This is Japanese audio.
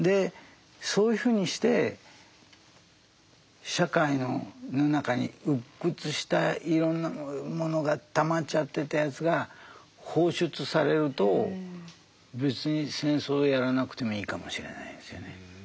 そういうふうにして社会の中に鬱屈したいろんなものがたまっちゃってたやつが放出されると別に戦争をやらなくてもいいかもしれないんですよね。